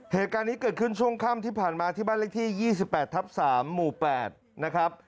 เหตุการณ์นี้เกิดขึ้นช่วงค่ำที่ผ่านมาที่บ้านเลขที่๒๘ทับ๓หมู่๘นะครับ